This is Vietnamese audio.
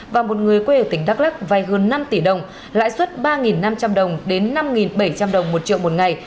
và một người quê ở tỉnh đắk lắc vay hơn năm tỷ đồng lãi suất ba năm trăm linh đồng đến năm bảy trăm linh đồng một triệu một ngày